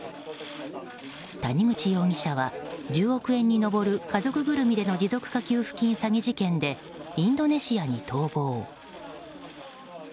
谷口容疑者は１０億円に上る家族ぐるみでの持続化給付金詐欺事件でインドネシアに逃亡。